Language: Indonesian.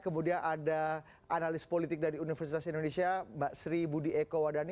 kemudian ada analis politik dari universitas indonesia mbak sri budi eko wadani